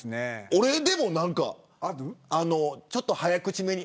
俺でもちょっと早口めに。